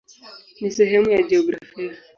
Ni sehemu ya jiografia.